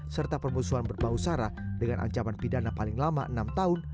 serta permusuhan berbau sara dengan ancaman pidana paling lama enam tahun